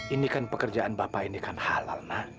ini kan pekerjaan bapak ini kan halal nak